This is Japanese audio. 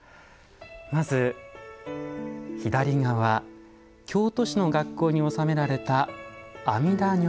まず左側京都市の学校に納められた阿弥陀如来像。